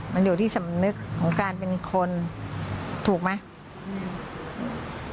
มันอยู่ที่สำนึกของการเป็นคนถูกไหม